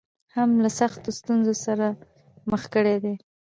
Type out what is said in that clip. هم له سختو ستونزو سره مخ کړې دي.